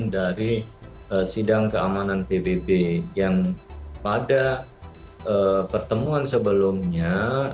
dari sidang keamanan pbb yang pada pertemuan sebelumnya